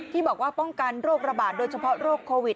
ที่บอกว่าป้องกันโรคระบาดโดยเฉพาะโรคโควิด